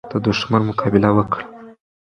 د دښمن مقابله وکړه.